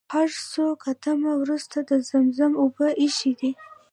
هر څو قدمه وروسته د زمزم اوبه ايښي دي.